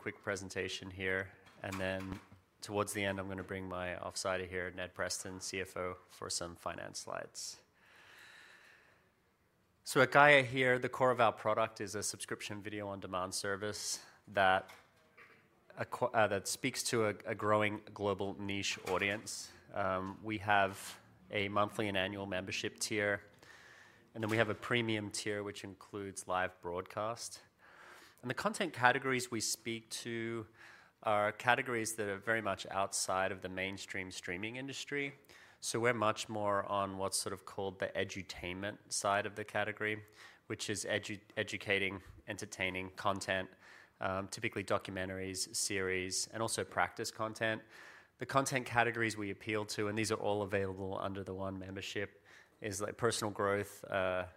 Quick presentation here, and then towards the end I'm going to bring my off-sider here, Ned Preston, CFO, for some finance slides. At Gaia here, the core of our product is a subscription video on-demand service that speaks to a growing global niche audience. We have a monthly and annual membership tier, and then we have a premium tier which includes live broadcast. The content categories we speak to are categories that are very much outside of the mainstream streaming industry. We're much more on what's sort of called the edutainment side of the category, which is educating, entertaining content, typically documentaries, series, and also practice content. The content categories we appeal to, and these are all available under the one membership, are personal growth,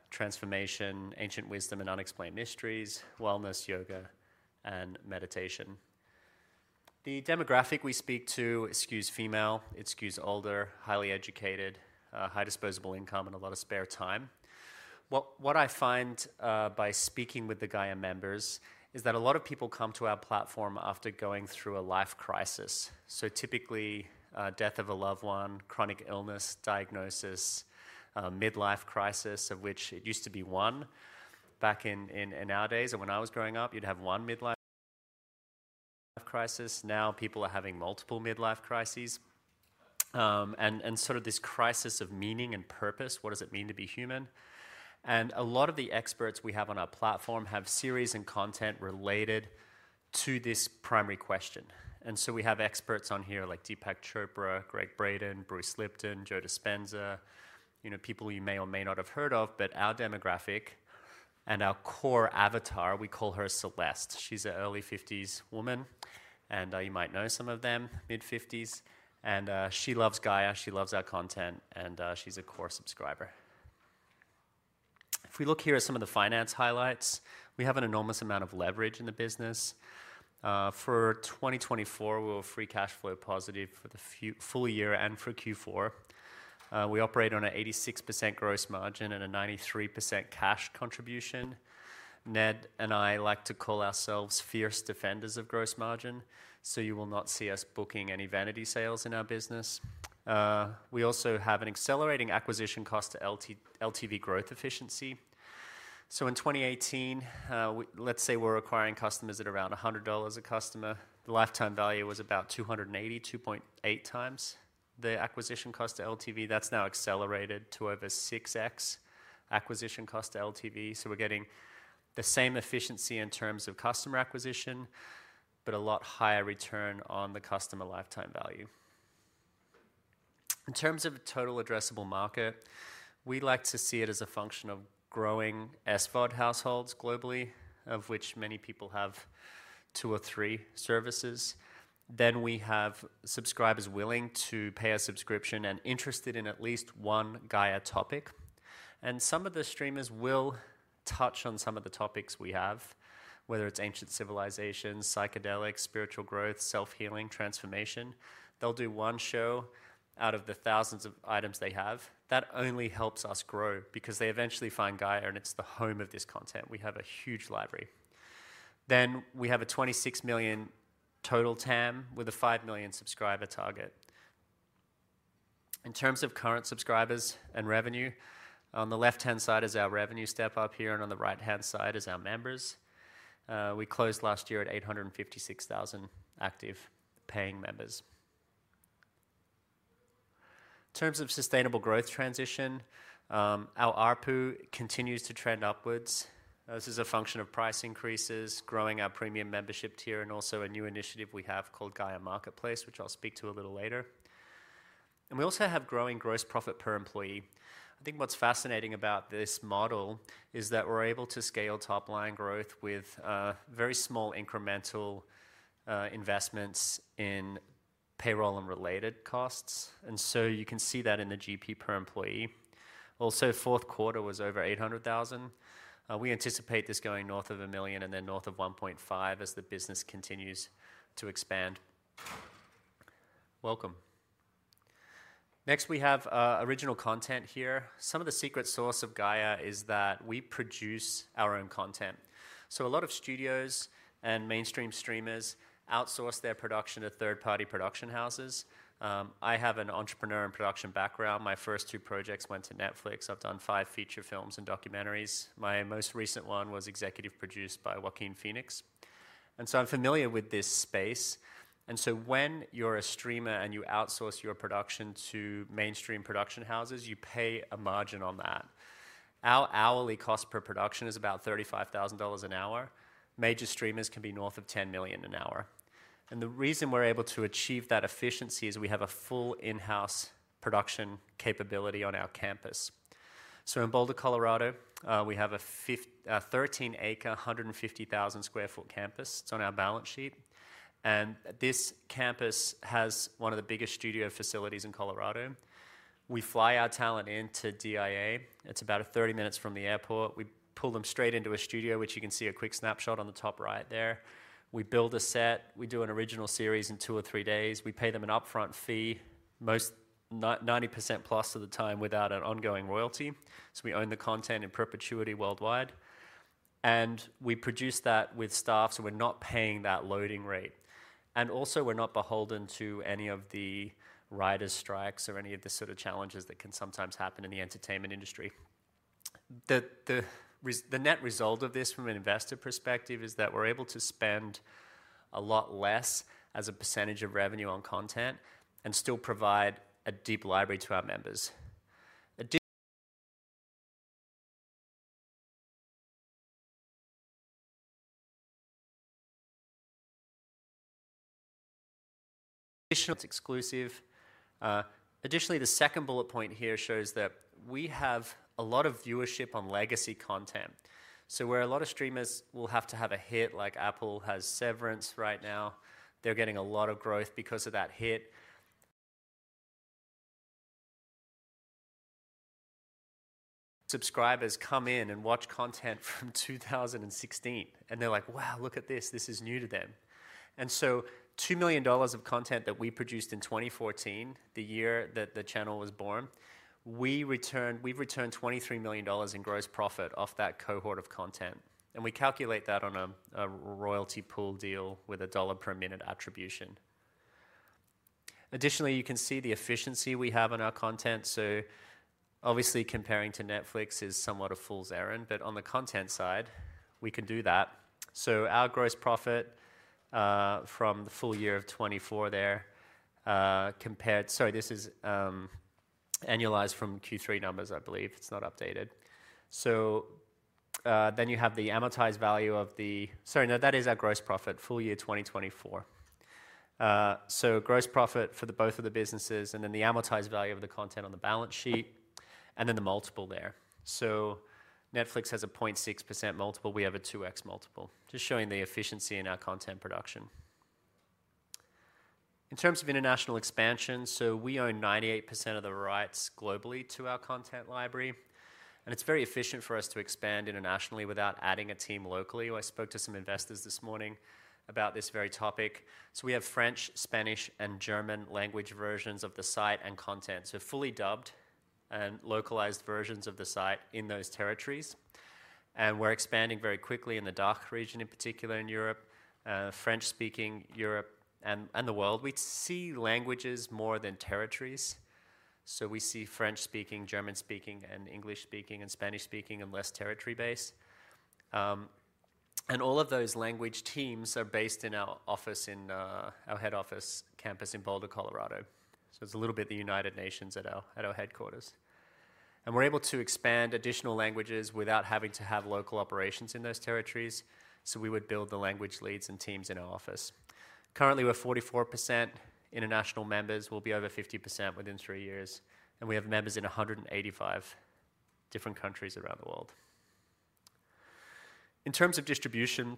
transformation, ancient wisdom and unexplained mysteries, wellness, yoga, and meditation. The demographic we speak to excludes female, it excludes older, highly educated, high disposable income, and a lot of spare time. What I find by speaking with the Gaia members is that a lot of people come to our platform after going through a life crisis, typically death of a loved one, chronic illness, diagnosis, midlife crisis, of which it used to be one back in our days. When I was growing up, you'd have one midlife crisis; now people are having multiple midlife crises. This crisis of meaning and purpose, what does it mean to be human? A lot of the experts we have on our platform have series and content related to this primary question. We have experts on here like Deepak Chopra, Greg Braden, Bruce Lipton, Joe Dispenza, people you may or may not have heard of, but our demographic and our core avatar, we call her Celeste. She's an early 50s woman, and you might know some of them, mid 50s, and she loves Gaia, she loves our content, and she's a core subscriber. If we look here at some of the finance highlights, we have an enormous amount of leverage in the business. For 2024, we're a free cash flow positive for the full year and for Q4. We operate on an 86% gross margin and a 93% cash contribution. Ned and I like to call ourselves fierce defenders of gross margin, so you will not see us booking any vanity sales in our business. We also have an accelerating acquisition cost to LTV growth efficiency. In 2018, let's say we're acquiring customers at around $100 a customer, the lifetime value was about $280, 2.8 times the acquisition cost to LTV. That's now accelerated to over 6X acquisition cost to LTV, so we're getting the same efficiency in terms of customer acquisition, but a lot higher return on the customer lifetime value. In terms of total addressable market, we like to see it as a function of growing SVOD households globally, of which many people have two or three services. We have subscribers willing to pay a subscription and interested in at least one Gaia topic. Some of the streamers will touch on some of the topics we have, whether it's ancient civilizations, psychedelics, spiritual growth, self-healing, transformation. They'll do one show out of the thousands of items they have. That only helps us grow because they eventually find Gaia, and it's the home of this content. We have a huge library. Then we have a 26 million total TAM with a 5 million subscriber target. In terms of current subscribers and revenue, on the left-hand side is our revenue step up here, and on the right-hand side is our members. We closed last year at 856,000 active paying members. In terms of sustainable growth transition, our ARPU continues to trend upwards. This is a function of price increases, growing our premium membership tier, and also a new initiative we have called Gaia Marketplace, which I'll speak to a little later. We also have growing gross profit per employee. I think what's fascinating about this model is that we're able to scale top-line growth with very small incremental investments in payroll and related costs, and you can see that in the GP per employee. Also, fourth quarter was over $800,000. We anticipate this going north of $1 million and then north of $1.5 million as the business continues to expand. Welcome. Next, we have original content here. Some of the secret sauce of Gaia is that we produce our own content. A lot of studios and mainstream streamers outsource their production to third-party production houses. I have an entrepreneur and production background. My first two projects went to Netflix. I've done five feature films and documentaries. My most recent one was executive produced by Joaquin Phoenix. I am familiar with this space. When you're a streamer and you outsource your production to mainstream production houses, you pay a margin on that. Our hourly cost per production is about $35,000 an hour. Major streamers can be north of $10 million an hour. The reason we're able to achieve that efficiency is we have a full in-house production capability on our campus. In Boulder, Colorado, we have a 13-acre, 150,000 sq ft campus. It's on our balance sheet. This campus has one of the biggest studio facilities in Colorado. We fly our talent into DIA. It's about 30 minutes from the airport. We pull them straight into a studio, which you can see a quick snapshot on the top right there. We build a set. We do an original series in two or three days. We pay them an upfront fee, 90%+ of the time without an ongoing royalty. We own the content in perpetuity worldwide. We produce that with staff, so we're not paying that loading rate. We're not beholden to any of the writer's strikes or any of the sort of challenges that can sometimes happen in the entertainment industry. The net result of this from an investor perspective is that we're able to spend a lot less as a percentage of revenue on content and still provide a deep library to our members. It's exclusive. Additionally, the second bullet point here shows that we have a lot of viewership on legacy content. Where a lot of streamers will have to have a hit, like Apple has Severance right now, they're getting a lot of growth because of that hit. Subscribers come in and watch content from 2016, and they're like, "Wow, look at this. This is new to them." $2 million of content that we produced in 2014, the year that the channel was born, we've returned $23 million in gross profit off that cohort of content. We calculate that on a royalty pool deal with a dollar per minute attribution. Additionally, you can see the efficiency we have on our content. Obviously, comparing to Netflix is somewhat a fool's errand, but on the content side, we can do that. Our gross profit from the full year of 2024 there, compared—sorry, this is annualized from Q3 numbers, I believe. It's not updated. You have the amortized value of the—sorry, no, that is our gross profit, full year 2024. Gross profit for both of the businesses, and then the amortized value of the content on the balance sheet, and then the multiple there. Netflix has a 0.6% multiple. We have a 2X multiple, just showing the efficiency in our content production. In terms of international expansion, we own 98% of the rights globally to our content library. It is very efficient for us to expand internationally without adding a team locally. I spoke to some investors this morning about this very topic. We have French, Spanish, and German language versions of the site and content, so fully dubbed and localized versions of the site in those territories. We are expanding very quickly in the DACH region, in particular in Europe, French-speaking Europe, and the world. We see languages more than territories. We see French-speaking, German-speaking, English-speaking, and Spanish-speaking, and less territory-based. All of those language teams are based in our head office campus in Boulder, Colorado. It is a little bit of the United Nations at our headquarters. We are able to expand additional languages without having to have local operations in those territories. We build the language leads and teams in our office. Currently, we are 44% international members. We will be over 50% within three years. We have members in 185 different countries around the world. In terms of distribution,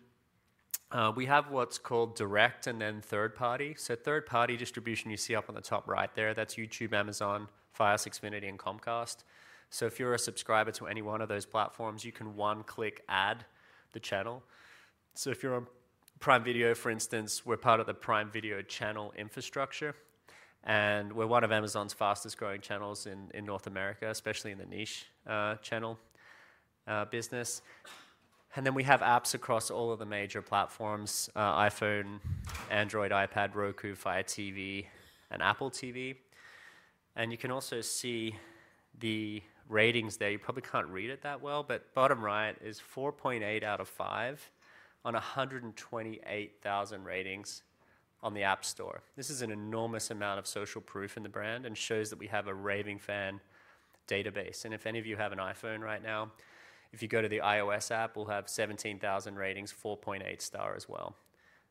we have what is called direct and then third-party. Third-party distribution you see up on the top right there, that is YouTube, Amazon, Fire, Six Minutes, and Comcast. If you are a subscriber to any one of those platforms, you can one-click add the channel. If you are on Prime Video, for instance, we are part of the Prime Video channel infrastructure. We're one of Amazon's fastest-growing channels in North America, especially in the niche channel business. We have apps across all of the major platforms: iPhone, Android, iPad, Roku, Fire TV, and Apple TV. You can also see the ratings there. You probably can't read it that well, but bottom right is 4.8 out of 5 on 128,000 ratings on the App Store. This is an enormous amount of social proof in the brand and shows that we have a raving fan database. If any of you have an iPhone right now, if you go to the iOS app, we'll have 17,000 ratings, 4.8 star as well.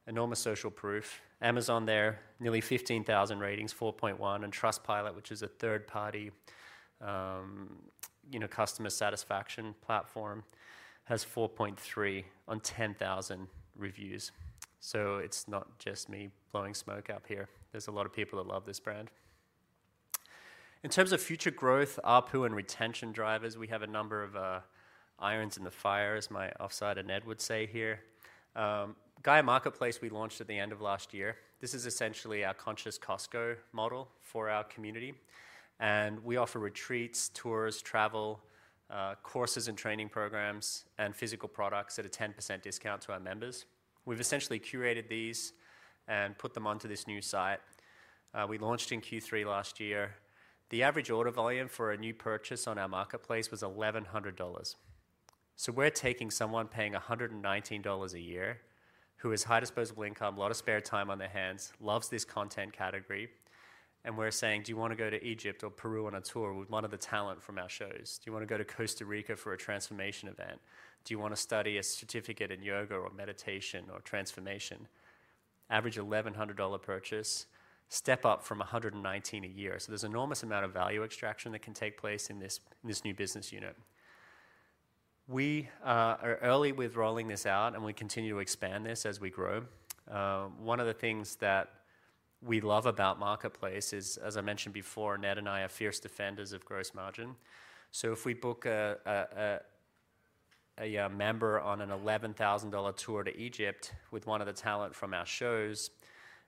Enormous social proof. Amazon there, nearly 15,000 ratings, 4.1. Trustpilot, which is a third-party customer satisfaction platform, has 4.3 on 10,000 reviews. It's not just me blowing smoke up here. There's a lot of people that love this brand. In terms of future growth, ARPU and retention drivers, we have a number of irons in the fire, as my off-sider Ned would say here. Gaia Marketplace, we launched at the end of last year. This is essentially our conscious Costco model for our community. We offer retreats, tours, travel, courses and training programs, and physical products at a 10% discount to our members. We've essentially curated these and put them onto this new site. We launched in Q3 last year. The average order volume for a new purchase on our marketplace was $1,100. We're taking someone paying $119 a year who has high disposable income, a lot of spare time on their hands, loves this content category. We're saying, "Do you want to go to Egypt or Peru on a tour with one of the talent from our shows? Do you want to go to Costa Rica for a transformation event? Do you want to study a certificate in yoga or meditation or transformation?" Average $1,100 purchase, step up from $119 a year. There is an enormous amount of value extraction that can take place in this new business unit. We are early with rolling this out, and we continue to expand this as we grow. One of the things that we love about Marketplace is, as I mentioned before, Ned and I are fierce defenders of gross margin. If we book a member on an $11,000 tour to Egypt with one of the talent from our shows,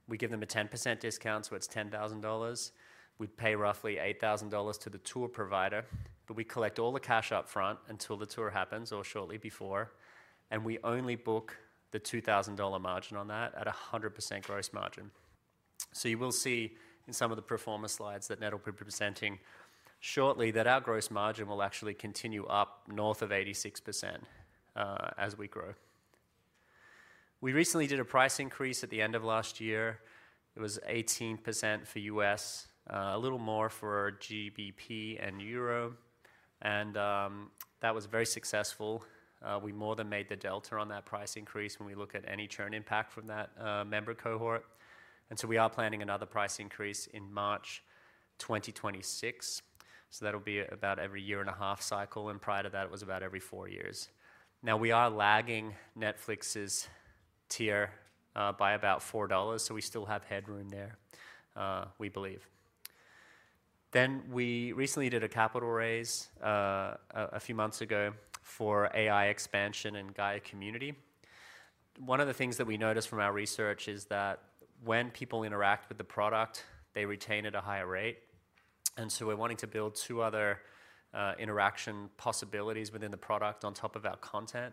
we give them a 10% discount, so it's $10,000. We pay roughly $8,000 to the tour provider, but we collect all the cash upfront until the tour happens or shortly before. We only book the $2,000 margin on that at 100% gross margin. You will see in some of the performance slides that Ned will be presenting shortly that our gross margin will actually continue up north of 86% as we grow. We recently did a price increase at the end of last year. It was 18% for US, a little more for GBP and Euro. That was very successful. We more than made the delta on that price increase when we look at any churn impact from that member cohort. We are planning another price increase in March 2026. That will be about every year and a half cycle. Prior to that, it was about every four years. Now, we are lagging Netflix's tier by about $4, so we still have headroom there, we believe. We recently did a capital raise a few months ago for AI expansion and Gaia community. One of the things that we noticed from our research is that when people interact with the product, they retain at a higher rate. We are wanting to build two other interaction possibilities within the product on top of our content.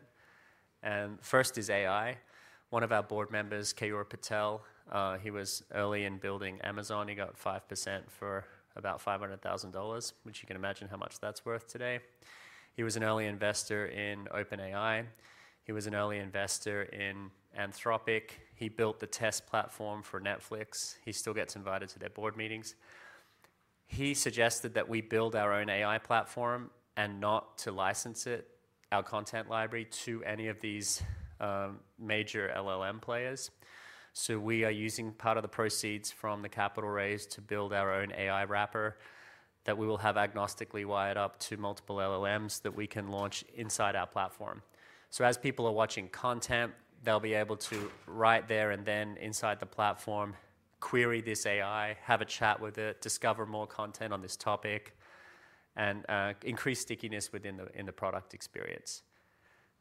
First is AI. One of our board members, Keor Patel, he was early in building Amazon. He got 5% for about $500,000, which you can imagine how much that's worth today. He was an early investor in OpenAI. He was an early investor in Anthropic. He built the test platform for Netflix. He still gets invited to their board meetings. He suggested that we build our own AI platform and not to license our content library to any of these major LLM players. We are using part of the proceeds from the capital raise to build our own AI wrapper that we will have agnostically wired up to multiple LLMs that we can launch inside our platform. As people are watching content, they'll be able to right there and then inside the platform, query this AI, have a chat with it, discover more content on this topic, and increase stickiness within the product experience.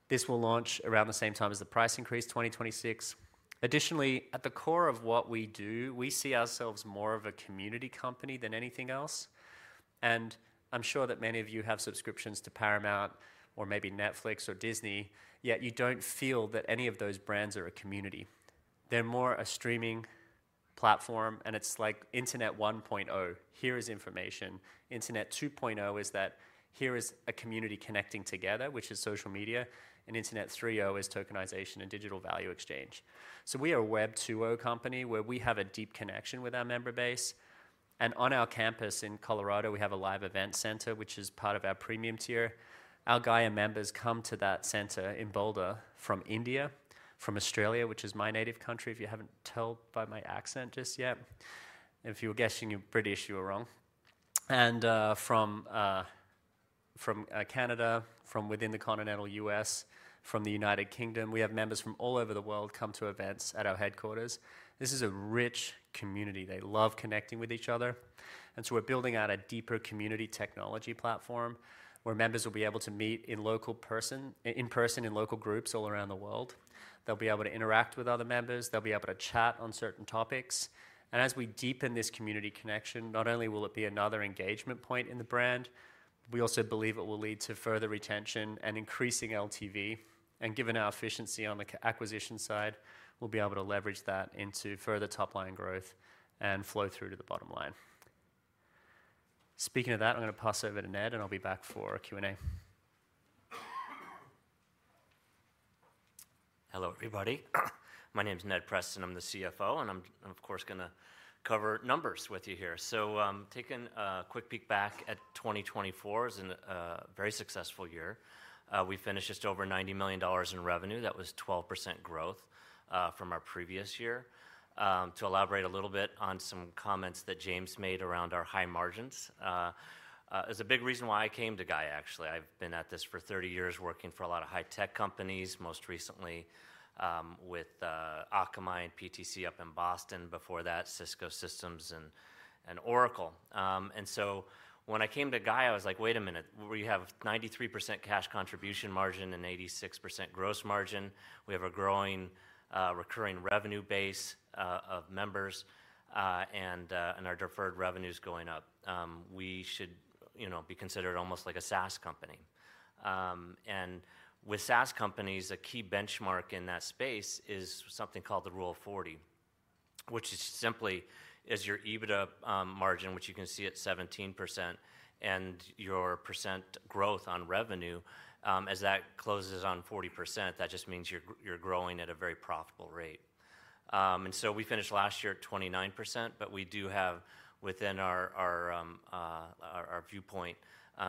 This will launch around the same time as the price increase, 2026. Additionally, at the core of what we do, we see ourselves more of a community company than anything else. I'm sure that many of you have subscriptions to Paramount or maybe Netflix or Disney, yet you don't feel that any of those brands are a community. They're more a streaming platform, and it's like Internet 1.0. Here is information. Internet 2.0 is that here is a community connecting together, which is social media. Internet 3.0 is tokenization and digital value exchange. We are a Web 2.0 company where we have a deep connection with our member base. On our campus in Colorado, we have a live event center, which is part of our premium tier. Our Gaia members come to that center in Boulder from India, from Australia, which is my native country, if you haven't told by my accent just yet. If you were guessing in British, you were wrong. From Canada, from within the continental U.S., from the United Kingdom, we have members from all over the world come to events at our headquarters. This is a rich community. They love connecting with each other. We are building out a deeper community technology platform where members will be able to meet in person in local groups all around the world. They will be able to interact with other members. They will be able to chat on certain topics. As we deepen this community connection, not only will it be another engagement point in the brand, we also believe it will lead to further retention and increasing LTV. Given our efficiency on the acquisition side, we will be able to leverage that into further top-line growth and flow through to the bottom line. Speaking of that, I'm going to pass over to Ned, and I'll be back for a Q&A. Hello, everybody. My name is Ned Preston. I'm the CFO, and I'm, of course, going to cover numbers with you here. Taking a quick peek back at 2024, it was a very successful year. We finished just over $90 million in revenue. That was 12% growth from our previous year. To elaborate a little bit on some comments that James made around our high margins is a big reason why I came to Gaia, actually. I've been at this for 30 years working for a lot of high-tech companies, most recently with Akamai and PTC up in Boston. Before that, Cisco Systems and Oracle. When I came to Gaia, I was like, "Wait a minute. We have a 93% cash contribution margin and 86% gross margin. We have a growing recurring revenue base of members, and our deferred revenue is going up. We should be considered almost like a SaaS company. With SaaS companies, a key benchmark in that space is something called the Rule of 40, which is simply your EBITDA margin, which you can see at 17%, and your percent growth on revenue. As that closes on 40%, that just means you're growing at a very profitable rate. We finished last year at 29%, but we do have, within our viewpoint,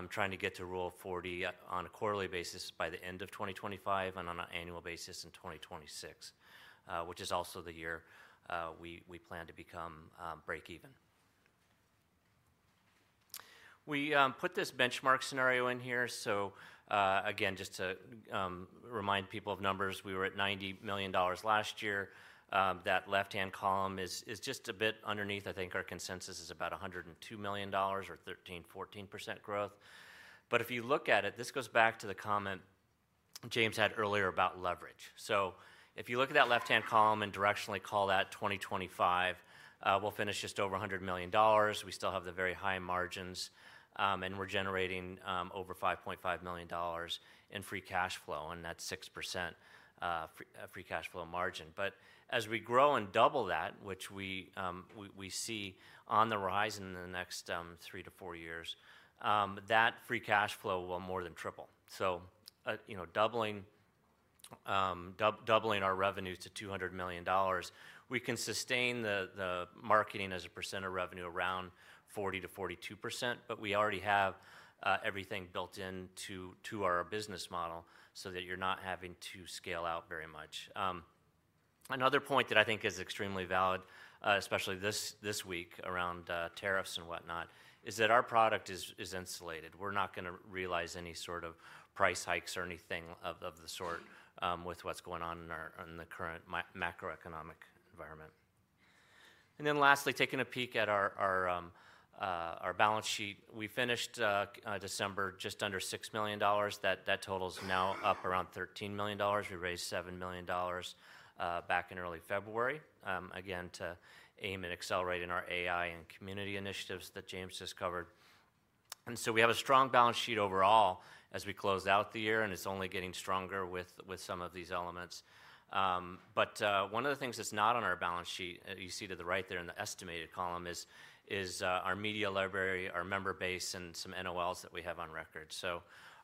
trying to get to Rule of 40 on a quarterly basis by the end of 2025 and on an annual basis in 2026, which is also the year we plan to become break-even. We put this benchmark scenario in here. Just to remind people of numbers, we were at $90 million last year. That left-hand column is just a bit underneath. I think our consensus is about $102 million or 13-14% growth. If you look at it, this goes back to the comment James had earlier about leverage. If you look at that left-hand column and directionally call that 2025, we'll finish just over $100 million. We still have the very high margins, and we're generating over $5.5 million in free cash flow, and that's 6% free cash flow margin. As we grow and double that, which we see on the horizon in the next three to four years, that free cash flow will more than triple. Doubling our revenues to $200 million, we can sustain the marketing as a percent of revenue around 40-42%, but we already have everything built into our business model so that you're not having to scale out very much. Another point that I think is extremely valid, especially this week around tariffs and whatnot, is that our product is insulated. We're not going to realize any sort of price hikes or anything of the sort with what's going on in the current macroeconomic environment. Lastly, taking a peek at our balance sheet, we finished December just under $6 million. That total is now up around $13 million. We raised $7 million back in early February, again, to aim and accelerate in our AI and community initiatives that James just covered. We have a strong balance sheet overall as we close out the year, and it's only getting stronger with some of these elements. One of the things that's not on our balance sheet, you see to the right there in the estimated column, is our media library, our member base, and some NOLs that we have on record.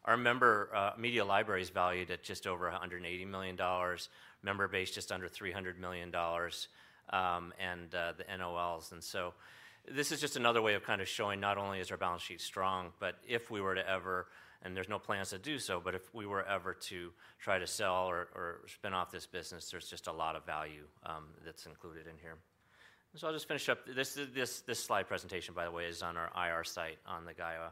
Our media library is valued at just over $180 million, member base just under $300 million, and the NOLs. This is just another way of kind of showing not only is our balance sheet strong, but if we were to ever, and there's no plans to do so, but if we were ever to try to sell or spin off this business, there's just a lot of value that's included in here. I'll just finish up. This slide presentation, by the way, is on our IR site on the Gaia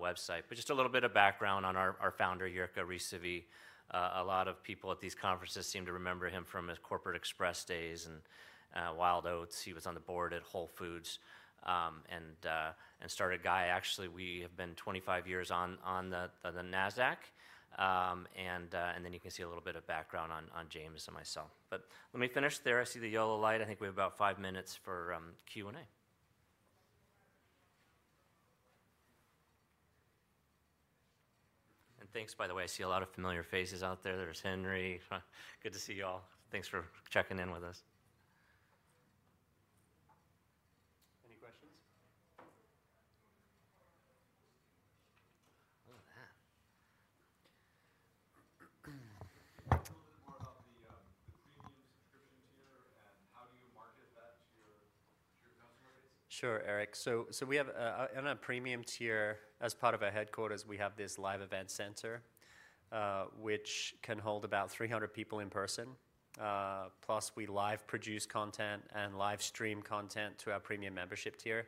website. Just a little bit of background on our founder, Jirka Rysavy. A lot of people at these conferences seem to remember him from his Corporate Express days and Wild Oats. He was on the board at Whole Foods and started Gaia. Actually, we have been 25 years on the Nasdaq. You can see a little bit of background on James and myself. Let me finish there. I see the yellow light. I think we have about five minutes for Q&A. Thanks, by the way. I see a lot of familiar faces out there. There is Henry. Good to see you all. Thanks for checking in with us. Any questions? A little bit more about the premium subscription tier and how do you market that to your customer base? Sure, Eric. In our premium tier, as part of our headquarters, we have this live event center, which can hold about 300 people in person. Plus, we live produce content and live stream content to our premium membership tier.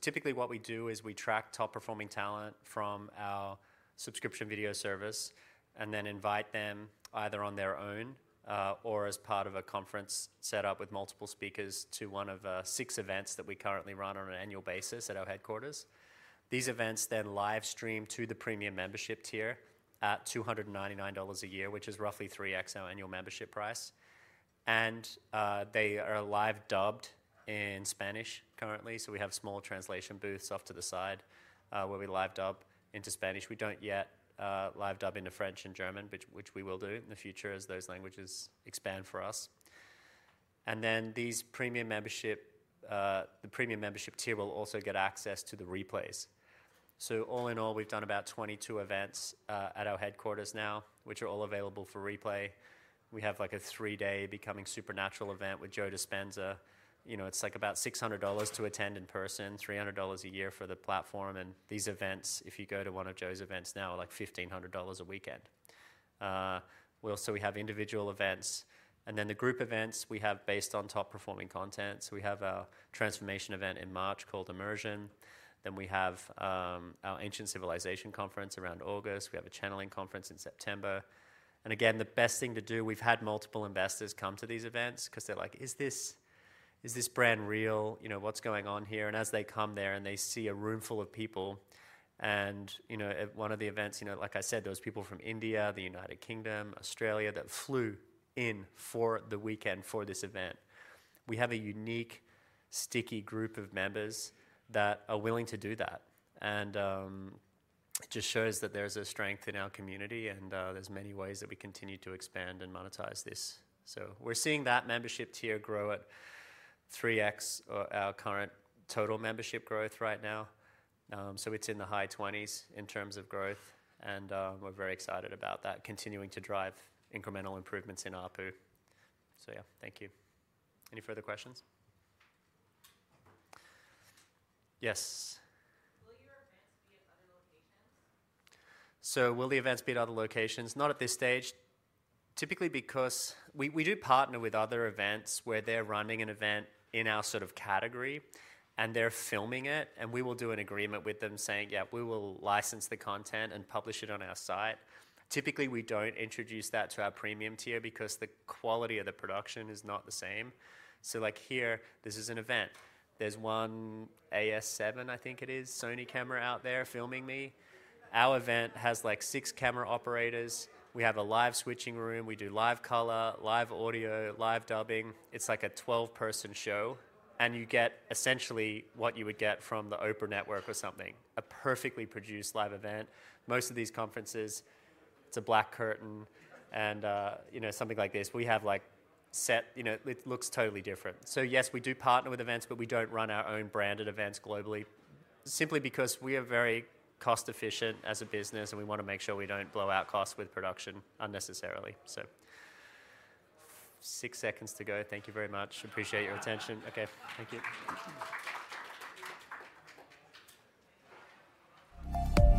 Typically, what we do is we track top-performing talent from our subscription video service and then invite them either on their own or as part of a conference set up with multiple speakers to one of six events that we currently run on an annual basis at our headquarters. These events then live stream to the premium membership tier at $299 a year, which is roughly 3X our annual membership price. They are live dubbed in Spanish currently. We have small translation booths off to the side where we live dub into Spanish. We do not yet live dub into French and German, which we will do in the future as those languages expand for us. The premium membership tier will also get access to the replays. All in all, we have done about 22 events at our headquarters now, which are all available for replay. We have like a three-day Becoming Supernatural event with Joe Dispenza. It is like about $600 to attend in person, $300 a year for the platform. These events, if you go to one of Joe's events now, are like $1,500 a weekend. We have individual events. The group events we have are based on top-performing content. We have our transformation event in March called Immersion. We have our ancient civilization conference around August. We have a channeling conference in September. The best thing to do, we've had multiple investors come to these events because they're like, "Is this brand real? What's going on here?" As they come there and they see a room full of people, and at one of the events, like I said, there were people from India, the United Kingdom, Australia that flew in for the weekend for this event. We have a unique, sticky group of members that are willing to do that. It just shows that there's a strength in our community, and there's many ways that we continue to expand and monetize this. We're seeing that membership tier grow at 3X our current total membership growth right now. It's in the high 20s in terms of growth, and we're very excited about that, continuing to drive incremental improvements in ARPU. Thank you. Any further questions? Yes. Will your events be at other locations? Will the events be at other locations? Not at this stage. Typically, because we do partner with other events where they're running an event in our sort of category, and they're filming it, and we will do an agreement with them saying, "Yeah, we will license the content and publish it on our site." Typically, we don't introduce that to our premium tier because the quality of the production is not the same. Like here, this is an event. There's one AS7, I think it is, Sony camera out there filming me. Our event has six camera operators. We have a live switching room. We do live color, live audio, live dubbing. It's a 12-person show, and you get essentially what you would get from the Oprah Network or something, a perfectly produced live event. Most of these conferences, it's a black curtain and something like this. We have like set, it looks totally different. Yes, we do partner with events, but we don't run our own branded events globally simply because we are very cost-efficient as a business, and we want to make sure we don't blow out costs with production unnecessarily. Six seconds to go. Thank you very much. Appreciate your attention. Okay, thank you.